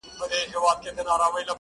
• په مناسبت جشن جوړ کړي -